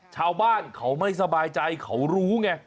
ชาวบ้านเขาไม่สบายใจเขารู้ไง